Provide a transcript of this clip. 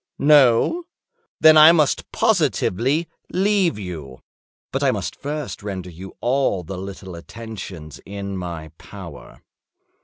No? Then I must positively leave you. But I must first render you all the little attentions in my power."